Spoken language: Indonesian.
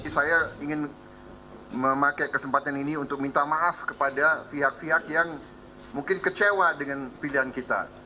saya ingin memakai kesempatan ini untuk minta maaf kepada pihak pihak yang mungkin kecewa dengan pilihan kita